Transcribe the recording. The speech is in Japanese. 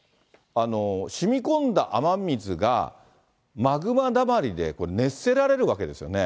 しみこんだ雨水がマグマだまりで熱せられるわけですよね。